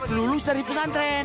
lulus dari pesantren